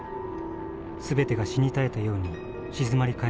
全てが死に絶えたように静まり返っていた。